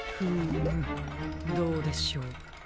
どうでしょう。